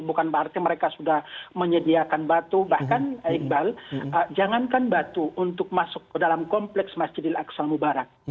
bukan berarti mereka sudah menyediakan batu bahkan iqbal jangankan batu untuk masuk ke dalam kompleks masjid al aqsa mubarak